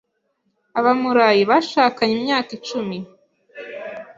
Abamurayi bashakanye imyaka icumi.